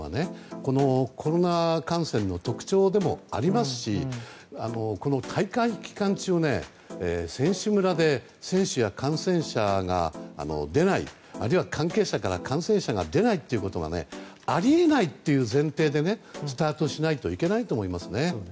このコロナ感染の特徴でもありますしこの大会期間中、選手村で選手から感染者が出ないあるいは関係者から感染者が出ないということはあり得ないという前提でスタートしないといけないと思います。